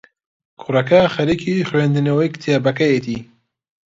کوڕەکە خەریکی خوێندنەوەی کتێبەکەیەتی.